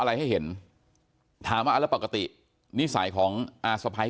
อะไรให้เห็นถามอัลละปกตินิสัยของอาสไพร์